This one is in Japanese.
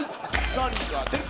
何が出る？」